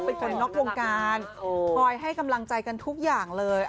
เป็นคนนอกวงการคอยให้กำลังใจกันทุกอย่างเลย